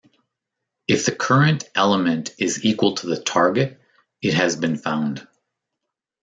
If the current element is equal to the target, it has been found.